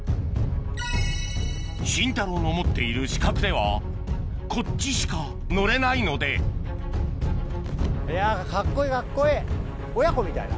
慎太郎の持っている資格ではこっちしか乗れないのでいやカッコいいカッコいい親子みたいな。